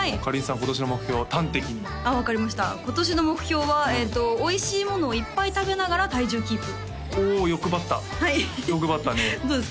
今年の目標端的に分かりました今年の目標はえっとおいしいものをいっぱい食べながら体重キープおお欲張った欲張ったねどうですか？